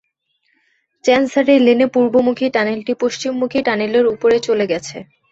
Chancery লেনে পূর্বমুখী টানেলটি পশ্চিমমুখী টানেলের উপরে চলে গেছে।